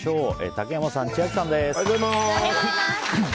竹山さん、千秋さんです。